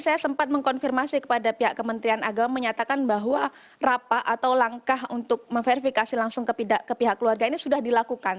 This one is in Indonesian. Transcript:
saya sempat mengkonfirmasi kepada pihak kementerian agama menyatakan bahwa rapat atau langkah untuk memverifikasi langsung ke pihak keluarga ini sudah dilakukan